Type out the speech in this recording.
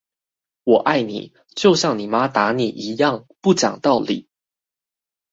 我愛你，就像你媽打你一樣，不講道理